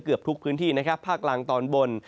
เกือบทุกพื้นที่พกลางตอนบน